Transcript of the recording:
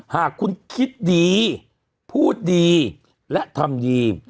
หากคุณคิดดีพูดดีและทำดี